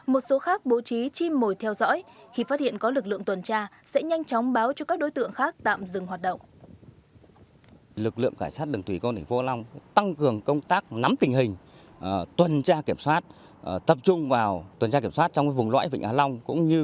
một số khác bố trí chim mồi theo dõi khi phát hiện có lực lượng tuần tra sẽ nhanh chóng báo cho các đối tượng khác tạm dừng hoạt động